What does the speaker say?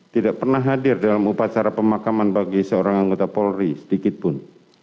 tidak pernah hadir dalam upacara pemakaman bagi seorang anggota polri sedikitpun